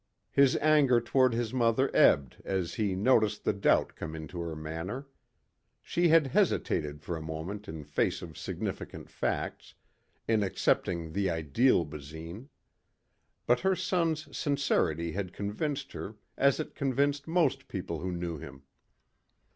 His anger toward his mother ebbed as he noticed the doubt come into her manner. She had hesitated for a moment in face of significant facts, in accepting the ideal Basine. But her son's sincerity had convinced her as it convinced most people who knew him.